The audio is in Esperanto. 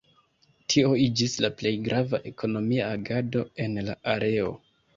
Tio iĝis la plej grava ekonomia agado en la areo.